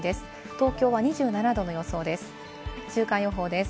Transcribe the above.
東京は２７度の予想です。